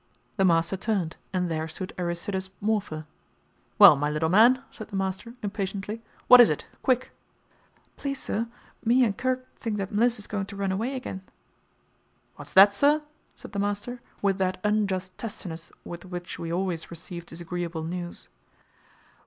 The master turned and there stood Aristides Morpher. "Well, my little man," said the master, impatiently, "what is it? quick!" "Please, sir, me and 'Kerg' thinks that Mliss is going to run away agin." "What's that, sir?" said the master, with that unjust testiness with which we always receive disagreeable news.